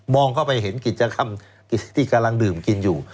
เข้าไปเห็นกิจกรรมที่กำลังดื่มกินอยู่